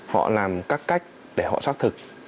họ làm các cách để họ xác thực